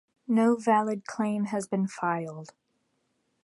No valid claim has been filed.